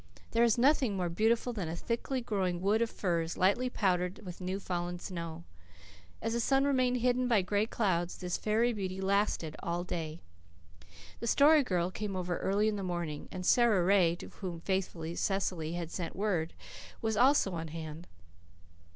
There is nothing more beautiful than a thickly growing wood of firs lightly powdered with new fallen snow. As the sun remained hidden by gray clouds, this fairy beauty lasted all day. The Story Girl came over early in the morning, and Sara Ray, to whom faithful Cecily had sent word, was also on hand.